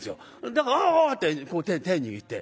だから「ああああ」ってこう手握って。